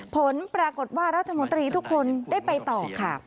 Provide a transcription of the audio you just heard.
ผลปรากฏว่ารัฐมนตรีทุกคนได้ไปต่อค่ะ